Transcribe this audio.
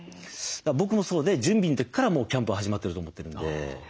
僕もそうで準備の時からもうキャンプは始まってると思ってるんで。